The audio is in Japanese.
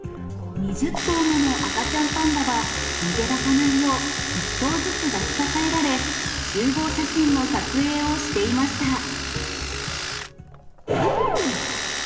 ２０頭もの赤ちゃんパンダは、逃げ出さないよう、１頭ずつ抱きかかえられ、集合写真の撮影をしていました。